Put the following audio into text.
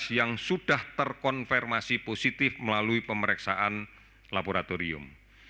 yang sudah terkonfirmasi positif melalui pemeriksaan laboratorium